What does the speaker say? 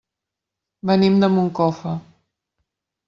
Venim de Moncofa.